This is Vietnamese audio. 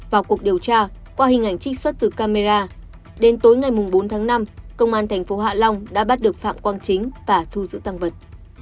vào cuộc điều tra qua hình ảnh trích xuất từ camera đến tối ngày bốn tháng năm công an thành phố hạ long đã bắt được phạm quang chính và thu giữ tăng vật